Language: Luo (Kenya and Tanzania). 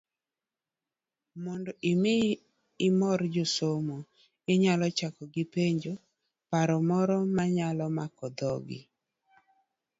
Mondo omi imor josomo, inyalo chako gi penjo, paro moro manyalo mako dhogi.